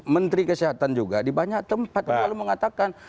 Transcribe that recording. menteri kesehatan juga di banyak tempat selalu mengatakan